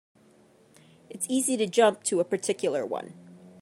It's easy to jump to a particular one.